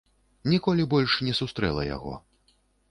Ніколі больш не сустрэла яго.